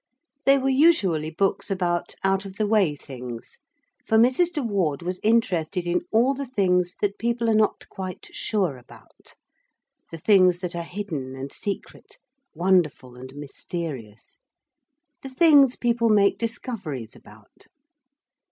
They were usually books about out of the way things, for Mrs. de Ward was interested in all the things that people are not quite sure about the things that are hidden and secret, wonderful and mysterious the things people make discoveries about.